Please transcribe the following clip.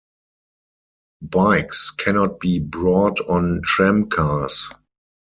Bikes cannot be brought on tram cars.